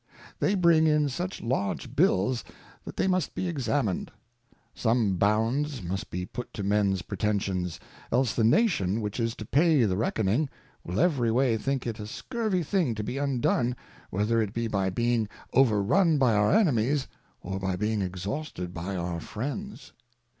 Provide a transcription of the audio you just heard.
They bring in such large Bills, that they must be ex amin'd : Some bounds must be put to men's Pretensions ; else the Nation, which is to pay the Reckoning, will every way think it a scurvy thing to be undone, whether it be by being over run Members in Parliament. i6i over run by our Enemies, or by the being exhausted by our Friends.